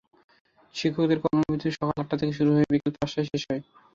শিক্ষকদের কর্মবিরতি সকাল আটটা থেকে শুরু হয়ে বিকেল পাঁচটায় শেষ হয়।